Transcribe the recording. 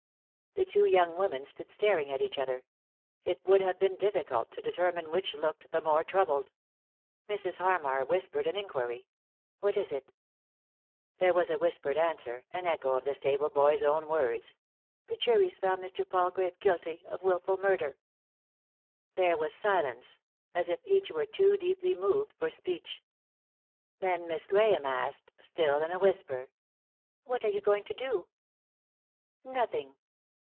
The two young women stood staring at each other ; it would have been difficult to determine which looked the more troubled. Mrs. Harmar whis pered an inquiry. " What is it ?" There was a whispered answer, an echo of the 54 ;«y?e.c.V GOOglC THE INTERRUPTED KISS stable boy's own words :" The jury's found Mr. Pal grave guilty of wilful murder." There was silence, as if each were too deeply moved for speech. Then Miss Grahame asked, still in a whisper: " What are you going to do ?"" Nothing."